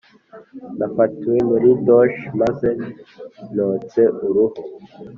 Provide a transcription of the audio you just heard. nafatiwe muri douche maze ntose uruhu.